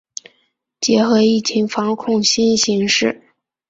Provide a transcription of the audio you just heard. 结合疫情防控新形势